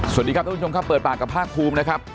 สวัสดีครับทุกผู้ชมครับเปิดปากกับภาคภูมินะครับ